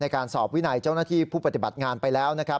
การสอบวินัยเจ้าหน้าที่ผู้ปฏิบัติงานไปแล้วนะครับ